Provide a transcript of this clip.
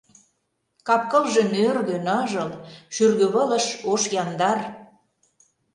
Кап-кылже нӧргӧ, ныжыл, шӱргывылыш ош яндар.